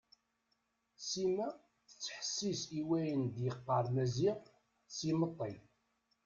Sima tettḥessis i wayen d-yeqqar Maziɣ s imeṭṭi.